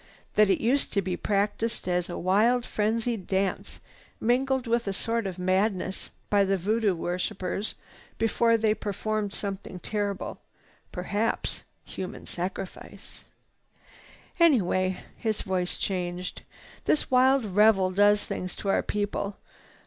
That it used to be practiced as a wild, frenzied dance, mingled with a sort of madness, by the Voodoo worshippers before they performed something terrible—perhaps human sacrifice. "Anyway—" his voice changed, "this wild revel does things to our people.